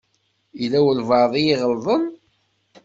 Yella walebɛaḍ i iɣelḍen.